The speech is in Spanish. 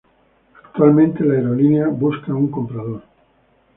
Actualmente la aerolínea Busca un comprador.